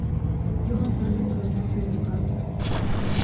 Йоган сердито розмахував руками.